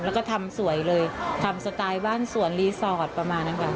แล้วก็ทำสวยเลยทำสไตล์บ้านสวนรีสอร์ทประมาณนั้นค่ะ